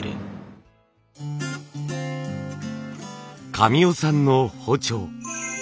神尾さんの包丁。